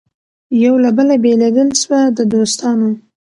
یو له بله بېلېدل سوه د دوستانو